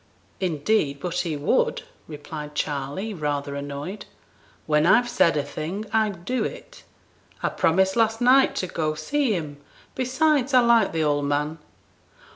'Indeed, but he would,' replied Charley, rather annoyed; 'when I've said a thing, I do it. I promised last night to go see him; besides, I like the old man.'